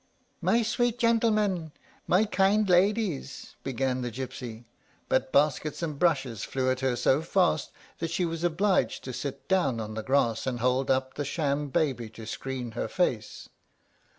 "My sweet gentlemen, my kind ladies," began the gypsy; but baskets and brushes flew at her so fast that she was obliged to sit down on the grass and hold up the sham baby to screen her face.